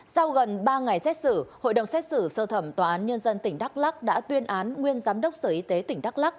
sau gần ba ngày xét xử hội đồng xét xử sơ thẩm tòa án nhân dân tỉnh đắk lắc đã tuyên án nguyên giám đốc sở y tế tỉnh đắk lắc